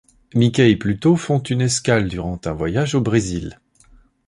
Mickey et Pluto font une escale durant un voyage au Brésil.